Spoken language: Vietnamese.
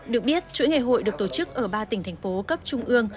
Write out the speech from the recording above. được biết chuỗi ngày hội được tổ chức ở ba tỉnh thành phố cấp trung ương